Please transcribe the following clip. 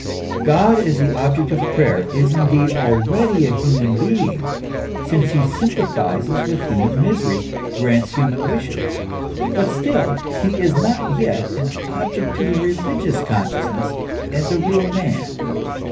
God, as the object of prayer, is indeed already a human being, since he sympa thizes with human misery, grants human wishes ; but still he is not yet an object to the religious consciousness as a real man.